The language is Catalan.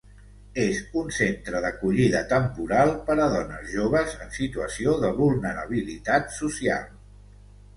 És un centre d'acollida temporal per a dones joves en situació de vulnerabilitat social.